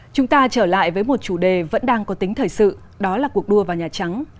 chúng ta trở lại với một chủ đề vẫn đang có tính thời sự đó là cuộc đua vào nhà trắng